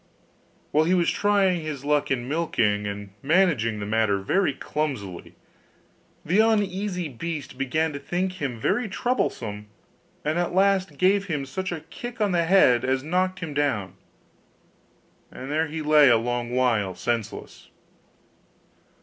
While he was trying his luck in milking, and managing the matter very clumsily, the uneasy beast began to think him very troublesome; and at last gave him such a kick on the head as knocked him down; and there he lay a long while senseless.